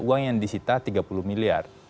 uang yang disita tiga puluh miliar